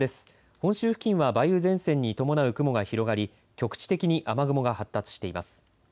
本州付近は梅雨前線に伴う雲が広がり局地的に雨雲が発達しています。